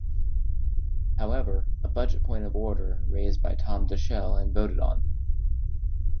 However, a budget point of order raised by Tom Daschle, and voted on.